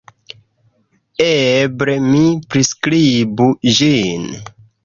Eble mi priskribu ĝin.